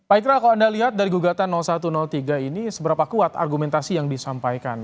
pak ikra kalau anda lihat dari gugatan satu ratus tiga ini seberapa kuat argumentasi yang disampaikan